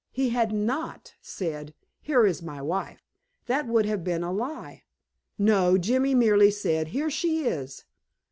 He had NOT said, "Here is my wife." That would have been a lie. No, Jimmy merely said, "Here she is."